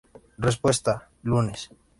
Respuesta: lunes.